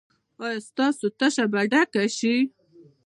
ایا ستاسو تشه به ډکه شي؟